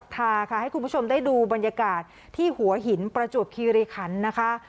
ทาค่ะให้คุณผู้ชมได้ดูบรรยากาศที่หัวหินประจวบคีรีคันนะคะ